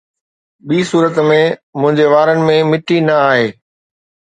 ٻي صورت ۾، منهنجي وارن ۾ مٽي نه آهي